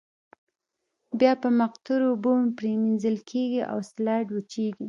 بیا په مقطرو اوبو پریمنځل کیږي او سلایډ وچیږي.